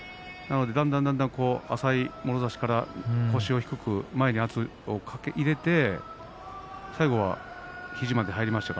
だんだんだんだん浅いもろ差しから腰を低く前に圧力を受けて最後は肘まで入りました。